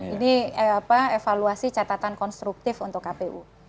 ini evaluasi catatan konstruktif untuk kpu